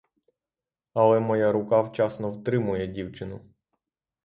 Але моя рука вчасно втримує дівчину.